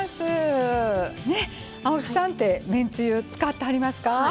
青木さんって、めんつゆ使ってはりますか？